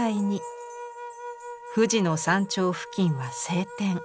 富士の山頂付近は晴天。